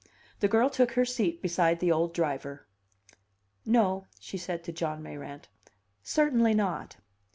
The girl took her seat beside the old driver. "No," she said to John Mayrant, "certainly not."